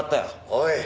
おい！